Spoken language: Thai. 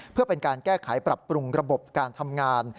เพื่อเป็นการแก้ไขปรับปรุงระบบการทำงาน